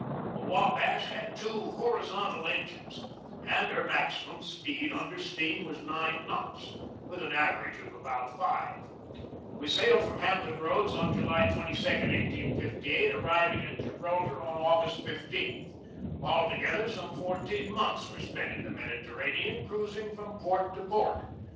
The W abash had two horizontal engines, and her maximum speed under steam was nine knots, with an average of about five. We sailed from Hamp ton Roads on July 22, 1858, arriving at Gibraltar on August 15. Altogether, some fourteen months were spent in the Mediterranean, cruising from port to port.